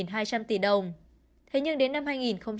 công ty này chỉ còn ghi nhận lãi còi với vỏn vẹn vài tỷ đồng